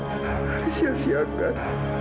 haris yang siangkan